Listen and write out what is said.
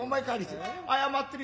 謝ってる。